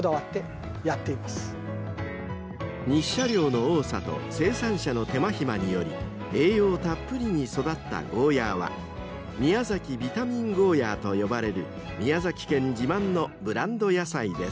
［日射量の多さと生産者の手間暇により栄養たっぷりに育ったゴーヤーはみやざきビタミンゴーヤーと呼ばれる宮崎県自慢のブランド野菜です］